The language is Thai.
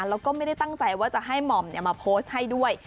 แล้วก็ไม่ได้ตั้งใจว่าจะให้หม่อมมาโพสต์ให้ด้วย